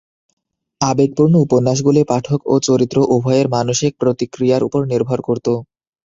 আবেগপূর্ণ উপন্যাসগুলি পাঠক ও চরিত্র উভয়ের মানসিক প্রতিক্রিয়ার উপর নির্ভর করত।